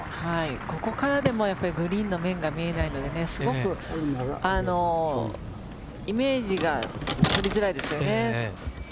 ここからでもグリーンの面が見えないのですごくイメージがつくりづらいですよね。